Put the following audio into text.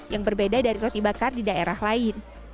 yang berbeda dari roti bakar di daerah lain